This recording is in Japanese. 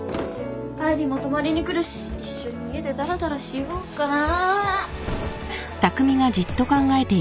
愛梨も泊まりに来るし一緒に家でだらだらしようかな。